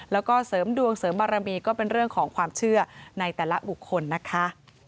แล้วก็เสริมดวงเสริมบารมีก็เป็นเรื่องของความเชื่อในแต่ละบุคคลนะคะ